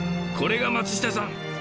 これが松下さん